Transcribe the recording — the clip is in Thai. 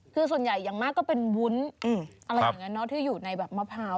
คือส่วนใหญ่อย่างมากก็เป็นวุ้นอะไรอย่างนี้เนอะที่อยู่ในแบบมะพร้าว